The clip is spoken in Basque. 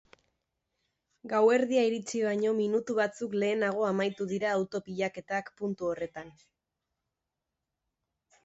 Gauerdia iritsi baino minutu batzuk lehenago amaitu dira auto pilaketak puntu horretan.